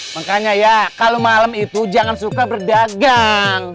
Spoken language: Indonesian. makanya ya kalau malam itu jangan suka berdagang